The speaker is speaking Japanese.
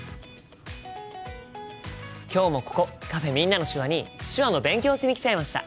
今日もここカフェ「みんなの手話」に手話の勉強しに来ちゃいました。